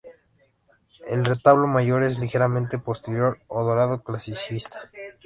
El retablo mayor es ligeramente posterior y dorado, clasicista.